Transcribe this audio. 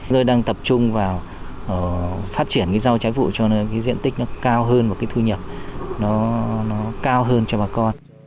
rồi đang tập trung vào phát triển rau trái vụ cho nên diện tích nó cao hơn và thu nhập nó cao hơn cho bà con